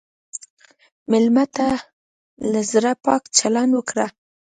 مېلمه ته له زړه پاک چلند وکړه.